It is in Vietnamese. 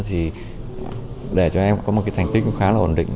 thì để cho em có một cái thành tích cũng khá là ổn định